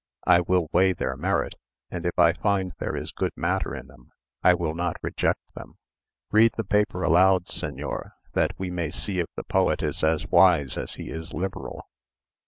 I will weigh their merit; and if I find there is good matter in them, I will not reject them. Read the paper aloud, señor, that we may see if the poet is as wise as he is liberal."